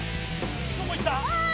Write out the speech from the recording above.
どこ行った？